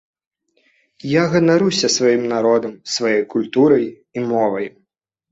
Я ганаруся сваім народам, сваёй культурай і мовай.